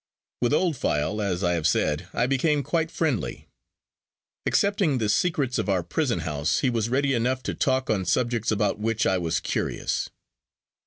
With Old File, as I have said, I became quite friendly. Excepting the secrets of our prison house, he was ready enough to talk on subjects about which I was curious.